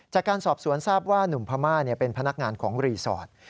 จากการสอบสวนทราบว่านุ่มพม่าเป็นพนักงานของรีสอร์ท